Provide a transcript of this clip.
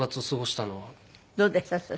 そしたら。